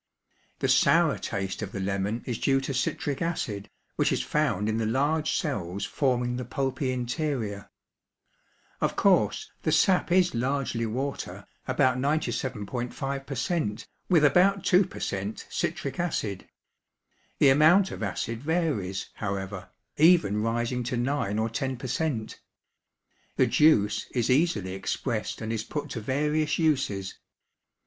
The sour taste of the lemon is due to citric acid, which is found in the large cells forming the pulpy interior. Of course the sap is largely water, about 97.5 per cent., with about 2 per cent. citric acid. The amount of acid varies, however, even rising to 9 or 10 per cent. The juice is easily expressed and is put to various uses.